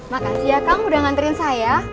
makasih ya kang udah nganterin saya